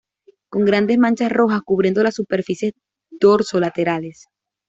Con grandes manchas rojas cubriendo las superficies dorso-laterales.